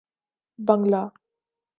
بنگلہ